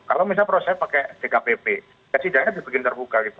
kalau misalnya proses pakai dkpp ya tidaknya dibuat terbuka gitu